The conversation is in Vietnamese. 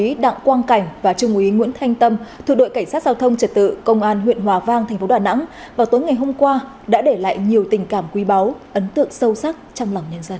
hành động quang cảnh và trung úy nguyễn thanh tâm thuộc đội cảnh sát giao thông trật tự công an huyện hòa vang thành phố đà nẵng vào tối ngày hôm qua đã để lại nhiều tình cảm quý báu ấn tượng sâu sắc trong lòng nhân dân